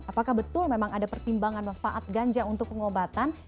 apakah betul memang ada pertimbangan manfaat ganja untuk pengobatan